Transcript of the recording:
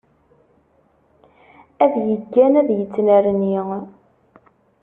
Ad yeggan ad yettnerni.